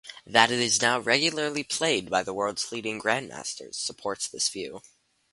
That it is now regularly played by the world's leading Grandmasters, supports this view.